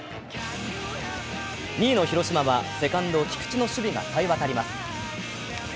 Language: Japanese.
２位の広島はセカンド・菊池の守備がさえ渡ります。